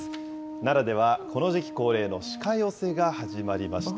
奈良では、この時期恒例の鹿寄せが始まりました。